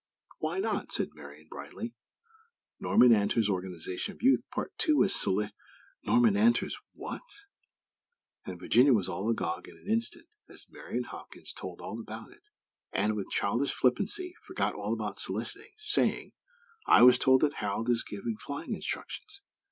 "Why not?" said Marian, brightly. "Norman Antor's Organization of Youth; Part Two, is soli " "Norman Antor's what?" and Virginia was all agog in an instant, as Marian Hopkins told all about it; and, with childish flippancy, forgot all about soliciting, saying: "I was told that Harold is giving flying instructions.